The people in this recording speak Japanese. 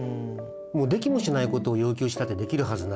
できもしないことを要求したってできるはずない。